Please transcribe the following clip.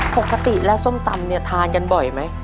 ปกติแล้วส้มตำเนี่ยทานกันบ่อยไหม